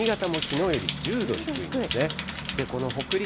新潟もきのうより１０度低いんですね。